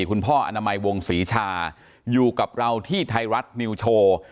คุณพ่ออนามัยวงศรีชาอยู่กับเราที่ไทยรัฐนิวโชว์